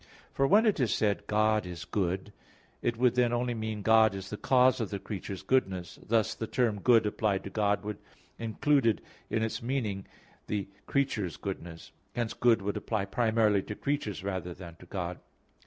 For when it is said, "God is good," it would then only mean "God is the cause of the creature's goodness"; thus the term good applied to God would included in its meaning the creature's goodness. Hence "good" would apply primarily to creatures rather than to God.